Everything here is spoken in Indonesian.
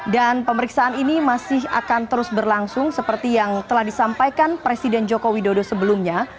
dan pemeriksaan ini masih akan terus berlangsung seperti yang telah disampaikan presiden joko widodo sebelumnya